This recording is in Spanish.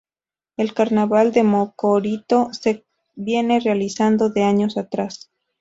El carnaval de Mocorito se viene realizando de años atrás.